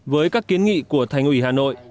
với các kiến nghị của thành ủy hà nội